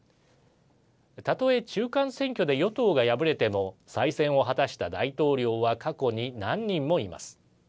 たとえ中間選挙で与党が敗れても再選を果たした大統領は過去に何人もいます。